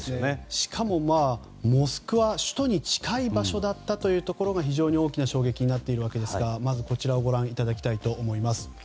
しかもモスクワ首都に近い場所だったというのが非常に大きな衝撃になっているわけですがこちらをご覧いただきたいと思います。